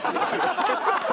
ハハハハ！